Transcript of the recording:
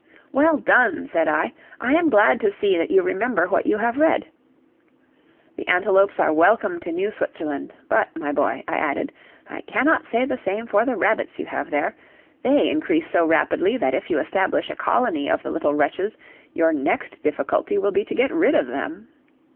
"Well done," said I, "I am glad to see that you remember what you have read. The antelopes are welcome to New Switzerland, but, my boy," I added, "I cannot say the same for the rabbits you have there; they increase so rapidly that if you establish a colony of the little wretches your next difficulty will be to get rid of them."